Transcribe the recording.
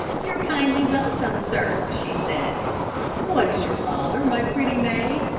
"You're kindly welcome, sir," she said. "What is your father, my pretty maid?"